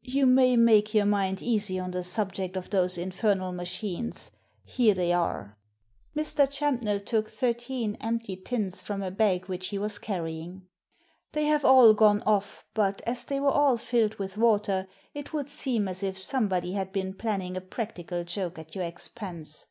" You may make your mind easy on the subject of those infernal machines. Here they are." Mr. Champnell took thirteen empty tins from a bag which he was carrying. "They have all gone off, but as they were all filled with water it would seem as if somebody had been planning a practical joke at your expense.